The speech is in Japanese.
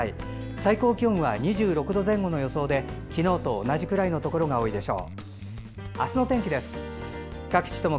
最高気温は２６度くらいの予想で昨日と同じくらいのところが多いでしょう。